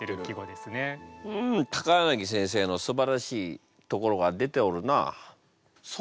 うん柳先生のすばらしいところが出ておるな。